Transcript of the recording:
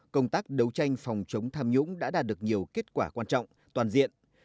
công tác đấu tranh phòng chống tham nhũng đã đạt được nhiều kết quả quan trọng toàn diện